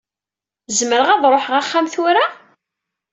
Zemreɣ ad ṛuḥeɣ axxam tura?